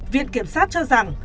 viện kiểm soát cho rằng